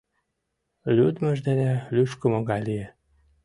Лӱдмыж дене лушкымо гай лие.